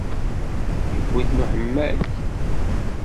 Yewwi-ten uḥemmal.